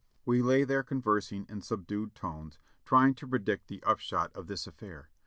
We lay there conversing in subdued tones, trying to predict the upshot of this affair.